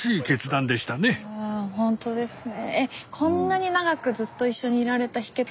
あほんとですね。